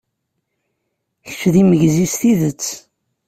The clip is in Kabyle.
Kečč d imegzi s tidet!